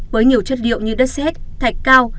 với nhiều chất liệu như đất xét thạch cao